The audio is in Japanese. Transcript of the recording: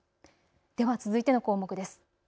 では続いての項目です。